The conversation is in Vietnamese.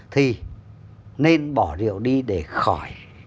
thì nên bỏ rượu đi để khỏi